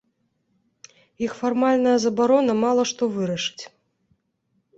Іх фармальная забарона мала што вырашыць.